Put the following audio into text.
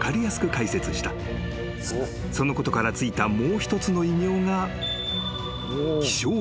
［そのことから付いたもう一つの異名が］